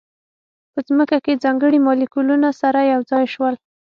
په ځمکه کې ځانګړي مالیکولونه سره یو ځای شول.